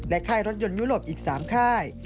ค่ายรถยนต์ยุโรปอีก๓ค่าย